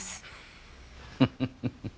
フフフ。